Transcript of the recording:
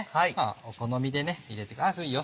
お好みでね入れてくださいいいよ